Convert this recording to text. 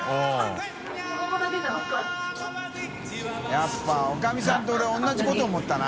笋辰おかみさんと俺同じこと思ったな。